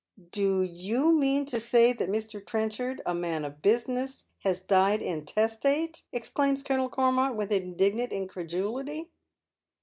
" Do you mean to say that Mr. Trenchard, a man of business, has died intestate ?" exclaims Colonel Stormont, with indignant incredulity.